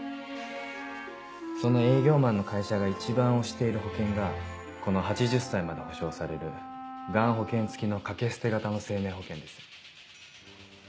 その営業マンの会社が一番推している保険がこの８０歳まで保障される癌保険付きの掛け捨て型の生命保険です。